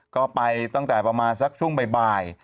ก็ไปตั้งแต่ประมาณสักช่วงบ่าย